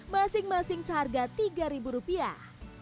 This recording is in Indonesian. masing masing seharga tiga ribu rupiah